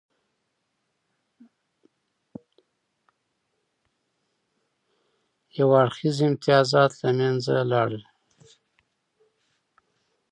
یو اړخیز امتیازات له منځه لاړل.